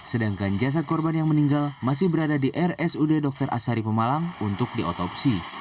sedangkan jasad korban yang meninggal masih berada di rsud dr asari pemalang untuk diotopsi